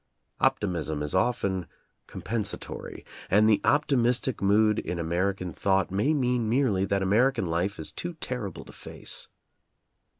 Optimism is often compen satory, and the optimistic mood in American thought may mean merely that American life is too terrible to face.